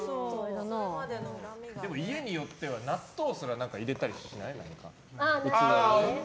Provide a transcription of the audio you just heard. でも家によっては納豆すら入れたりしないって。